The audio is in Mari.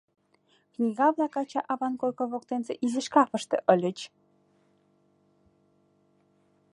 Книга-влак ача-аван койко воктенсе изи шкафыште ыльыч.